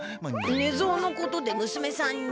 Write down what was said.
寝相のことでむすめさんに？